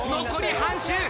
残り半周。